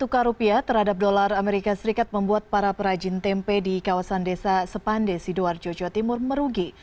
tukar rupiah terhadap dolar amerika serikat membuat para perajin tempe di kawasan desa sepande sidoarjo jawa timur merugi